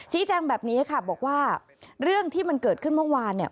แจ้งแบบนี้ค่ะบอกว่าเรื่องที่มันเกิดขึ้นเมื่อวานเนี่ย